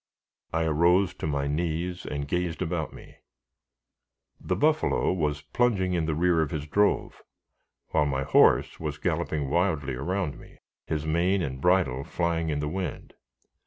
I arose to my knees, and gazed about me. The buffalo was plunging in the rear of his drove, while my horse was galloping wildly around me, his mane and bridle flying in the wind.